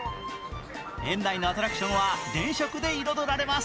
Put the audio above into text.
園内のアトラクションは電飾で彩られます。